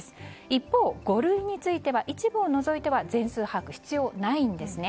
一方、五類については一部を除いては、全数把握は必要ないんですね。